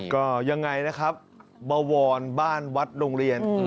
ก็ยังไงนะครับบวรบ้านวัดโรงเรียน